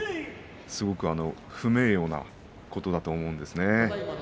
すごく不名誉なことだと思いますね。